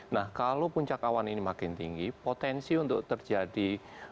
nah kalau puncak awan ini makin tinggi potensi untuk terjadi